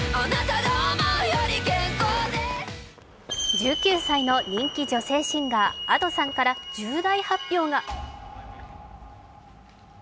１９歳の人気女性シンガーＡｄｏさんから重大発表が。